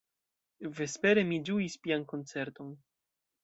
Vespere mi ĝuis piankoncerton.